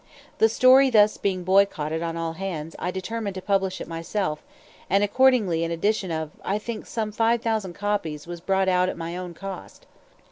The story thus being boycotted on all hands, I determined to publish it myself, and accordingly an edition of, I think, some five thousand copies was brought out at my own cost.